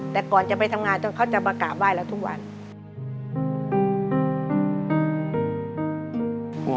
แต่ก่อนจะไปทำงานเขาจะประกาศว่ายเราทุกวัน